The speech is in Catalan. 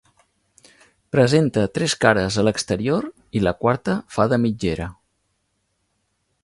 Presenta tres cares a l'exterior i la quarta fa de mitgera.